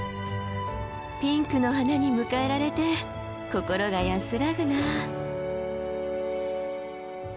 ピンクの花に迎えられて心が安らぐなあ。